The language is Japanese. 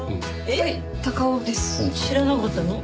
えっ知らなかったの？